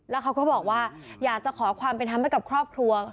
แล้วเขาก็บอกว่าอยากจะขอความเป็นธรรมให้กับครอบครัว